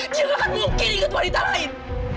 dia gak akan mungkin ingat wanita lain